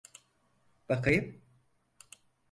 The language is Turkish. Bakayım.